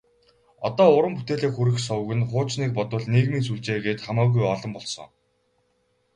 Одоо уран бүтээлээ хүргэх суваг нь хуучныг бодвол нийгмийн сүлжээ гээд хамаагүй олон болсон.